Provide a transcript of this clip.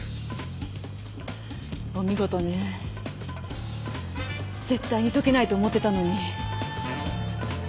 お見事ねぜっ対にとけないと思ってたのに。